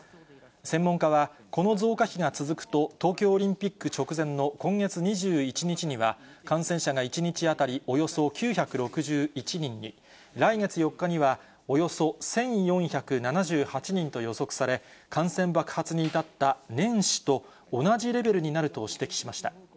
専門家は、この増加比が続くと、東京オリンピック直前の今月２１日には、感染者が１日当たりおよそ９６１人に、来月４日には、およそ１４７８人と予測され、感染爆発に至った年始と同じレベルになると指摘しました。